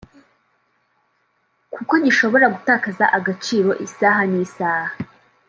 kuko gishobora gutakaza agaciro isaha n’isaha